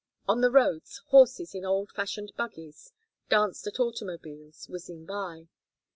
On the roads horses in old fashioned buggies danced at automobiles whizzing by.